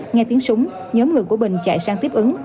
nghe tiếng súng nhóm người của bình chạy sang tiếp ứng